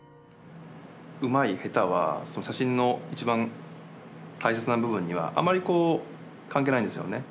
うまいヘタは写真の一番大切な部分にはあまりこう関係ないんですよね。